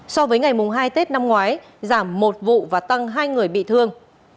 so với ngày hai tết năm ngoái giảm một vụ và tăng hai người bị thương